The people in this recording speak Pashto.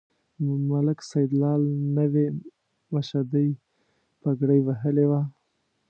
ملک سیدلال نوې مشدۍ پګړۍ وهلې وه.